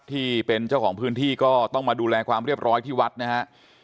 ที่เป็นเจ้าของพื้นที่ก็ต้องมาดูแลความเรียบร้อยที่วัดนะฮะ